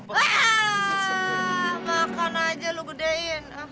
wah makan aja lu gedein